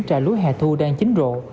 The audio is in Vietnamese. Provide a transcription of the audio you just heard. trại lúi hè thu đang trở lại